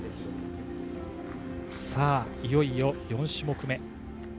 いよいよ、４種目め。